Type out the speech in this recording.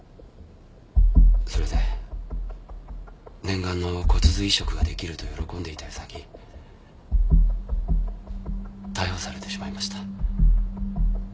それで念願の骨髄移植が出来ると喜んでいた矢先逮捕されてしまいました。